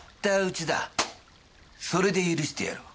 それで許してやろう。